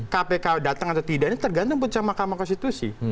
kpk datang atau tidak ini tergantung putusan mahkamah konstitusi